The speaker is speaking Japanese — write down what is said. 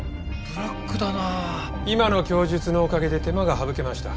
今の供述のおかげで手間が省けました。